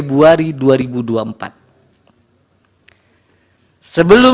dari dari dari dari